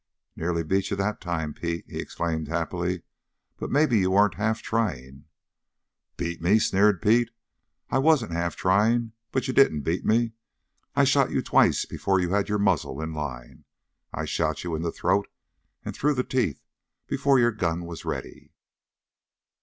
"Nearly beat you that time, Pete," he exclaimed happily. "But maybe you weren't half trying?" "Beat me?" sneered Pete. "I wasn't half trying, but you didn't beat me. I shot you twice before you had your muzzle in line. I shot you in the throat and through the teeth before your gun was ready."